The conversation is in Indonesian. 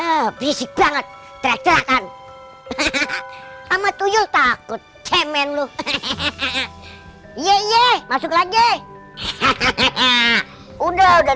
hahaha bisik banget terakan sama tuyul takut cemen lu hahaha iye masuk lagi hahaha udah udah